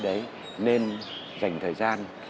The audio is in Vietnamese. đấy nên dành thời gian